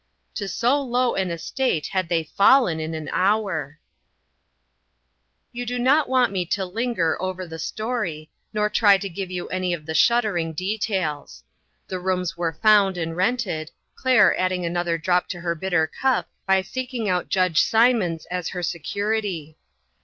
To so low an es tate had they fallen in an hour ! You do not want me to linger over the story, nor try to give you any of the shud dering details. The rooms were found and rented, Claire adding another drop to her bitter cup by seeking out Judge Symonds as her security.